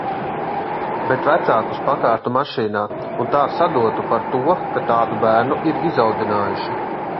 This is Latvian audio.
Bet vecākus pakārtu mašīnā un tā sadotu par to, ka tādu bērnu ir izaudzinājuši.